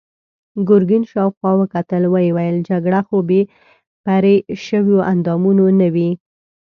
ګرګين شاوخوا وکتل، ويې ويل: جګړه خو بې پرې شويوو اندامونو نه وي.